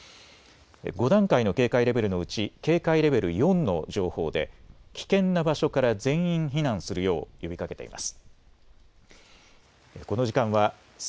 ５段階の警戒レベルのうち警戒レベル４の情報で危険な場所から全員避難するよう呼びかけています。